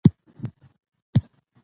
پاچا ګردشي په هېواد کې ګډوډي رامنځته کوي.